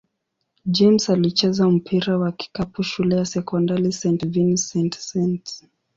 James alicheza mpira wa kikapu shule ya sekondari St. Vincent-St.